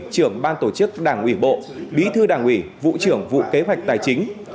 trưởng ban tổ chức đảng ủy bộ bí thư đảng ủy vụ trưởng vụ kế hoạch tài chính